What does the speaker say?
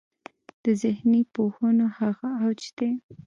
د ذهني پوهنو هغه اوج دی.